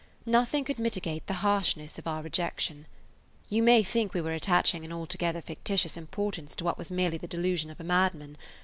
Nothing could mitigate the harshness of our rejection. You may think we were attaching an altogether fictitious importance to what was merely the delusion of a madman.